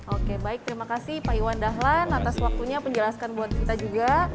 oke baik terima kasih pak iwan dahlan atas waktunya menjelaskan buat kita juga